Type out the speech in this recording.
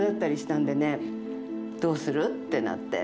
どうするってなって。